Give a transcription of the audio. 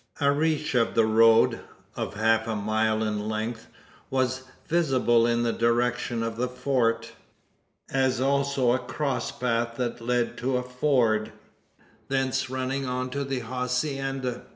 A reach of the road, of half a mile in length, was visible in the direction of the Fort; as also a cross path that led to a ford; thence running on to the hacienda.